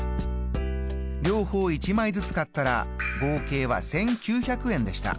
両方一枚ずつ買ったら合計は１９００円でした。